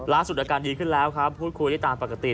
อาการดีขึ้นแล้วครับพูดคุยได้ตามปกติ